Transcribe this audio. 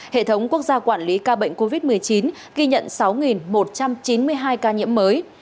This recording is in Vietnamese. hệ thống quốc gia quản lý ca bệnh covid một mươi chín ghi nhận sáu một trăm chín mươi hai ca nhiễm mới